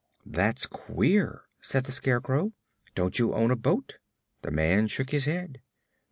"That's queer," said the Scarecrow. "Don't you own a boat?" The man shook his head.